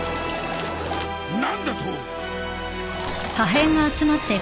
何だと！？